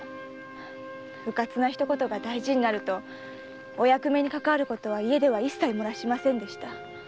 うかつな一言が大事になるとお役目にかかわることは家では一切漏らしませんでした。